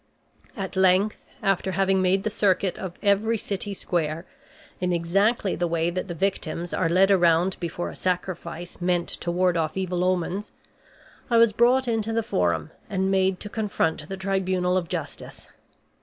At length after having made the circuit of every city square, in exactly the way that the victims are led around before a sacrifice meant to ward off evil omens, I was brought into the forum and made to confront the tribunal of justice.